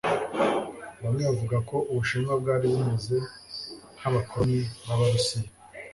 Bamwe bavuga ko Ubushinwa bwari bumeze nk'abakoloni b'Abarusiya.